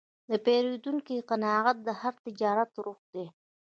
د پیرودونکي قناعت د هر تجارت روح دی.